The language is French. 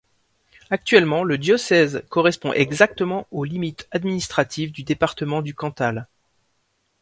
Actuellement, le diocèse correspond exactement aux limites administratives du département du Cantal.